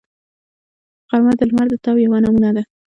غرمه د لمر د تاو یوه نمونه ده